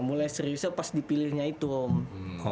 mulai seriusnya pas dipilihnya itu om